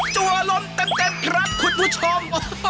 จัวลมเต็มครับคุณผู้ชม